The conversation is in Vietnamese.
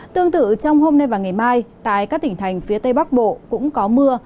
tương tự trong hôm nay và ngày mai tại các tỉnh thành phía tây bắc bộ cũng có mưa